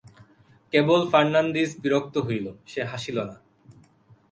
কেবল Fernandez বিরক্ত হইল, সে হাসিল না।